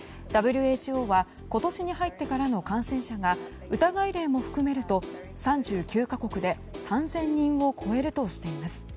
ＷＨＯは今年に入ってからの感染者が疑い例も含めると３９か国で３０００人を超えるとしています。